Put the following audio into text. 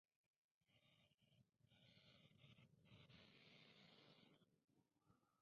El paseo de la bandera nacional sustituyó pues al del estandarte real.